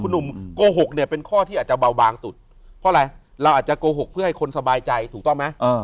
หนุ่มโกหกเนี่ยเป็นข้อที่อาจจะเบาบางสุดเพราะอะไรเราอาจจะโกหกเพื่อให้คนสบายใจถูกต้องไหม